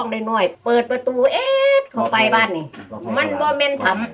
ได้น้ำเต็มมากกว่า